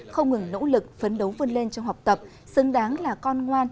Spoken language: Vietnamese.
không ngừng nỗ lực phấn đấu vươn lên trong học tập xứng đáng là con ngoan